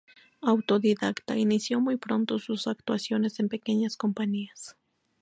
Autodidacta, inició muy pronto sus actuaciones en pequeñas compañías.